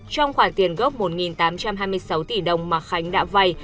trong khoản tiền gốc một tám trăm hai mươi sáu tỷ đồng mà khánh đã vay